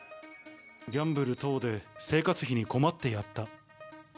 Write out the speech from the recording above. ギャンブル等で生活費に困ってやった。